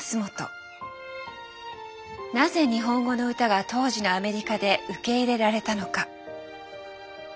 なぜ日本語の歌が当時のアメリカで受け入れられたのか。